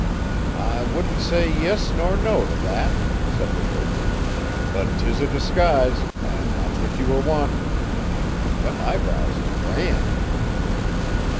"I wouldn't say yis nor no to that," said the chauffeur, "but 'tiz a disguise, an' that's what ye were wantin'. Thim eyebrows is grand."